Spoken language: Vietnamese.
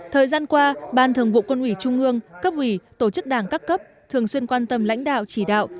thời gian qua ban thường vụ quân ủy trung ương cấp ủy tổ chức đảng các cấp thường xuyên quan tâm lãnh đạo chỉ đạo